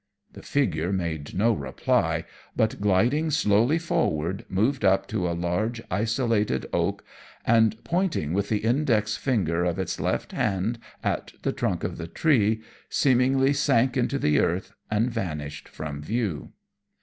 The figure made no reply, but gliding slowly forward, moved up to a large, isolated oak, and pointing with the index finger of its left hand at the trunk of the tree, seemingly sank into the earth and vanished from view.